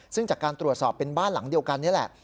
ซึ่งจากการตรวจสอบเป็นบ้านหลังเดียวกันนี่แหละ